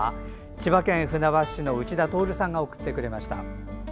千葉県船橋市の内田泰さんが送ってくれました。